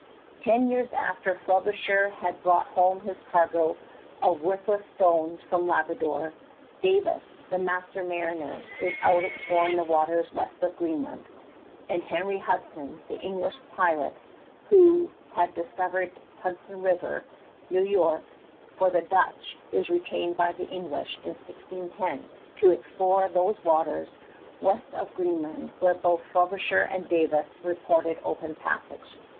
Ten years after Frobisher had brought home his cargo of worthless stones from Labrador, Davis, the master mariner, is out exploring the waters west of Greenland; and Henry Hudson, the English pilot who had discovered Hudson River, New York, for the Dutch, is retained by the English in 1610 to explore those waters west of Greenland where both Frobisher and Davis reported open passage.